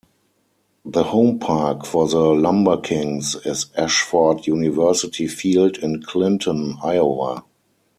The home park for the LumberKings is Ashford University Field in Clinton, Iowa.